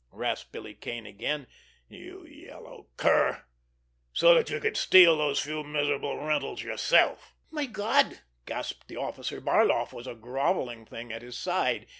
rasped Billy Kane again. "You yellow cur—so that you could steal those few miserable rentals yourself!" "My God!" gasped the officer. Barloff was a grovelling thing at his side.